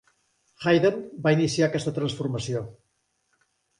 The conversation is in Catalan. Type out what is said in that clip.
Haydn va iniciar aquesta transformació.